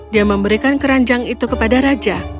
dia memberikan keranjang itu kepada raja